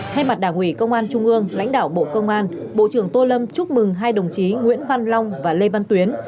thay mặt đảng ủy công an trung ương lãnh đạo bộ công an bộ trưởng tô lâm chúc mừng hai đồng chí nguyễn văn long và lê văn tuyến